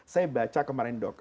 saya baca kemarin dok